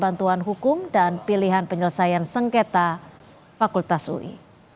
bantuan hukum dan pilihan penyelesaian sengketa fakultas ui